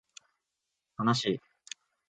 かなしい